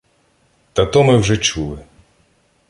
— Та то ми вже чули.